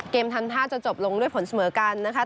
ทำท่าจะจบลงด้วยผลเสมอกันนะคะ